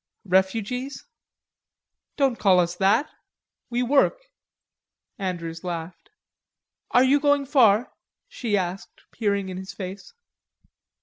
"Refugees?" "Don't call us that.... We work." Andrews laughed. "Are you going far?" she asked peering in his face.